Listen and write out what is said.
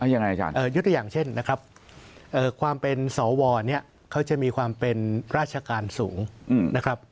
ยกตัวอย่างเช่นนะครับความเป็นสวเขาจะมีความเป็นราชการสูงนะครับ